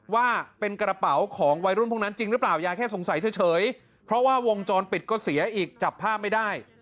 ว่าเป็นกระเป๋าของวัยรุ่นพวกนั้นจริงหรือเปล่ายายแค่สงสัยเฉยเพราะว่าวงจรปิดก็เสียอีกจับภาพไม่ได้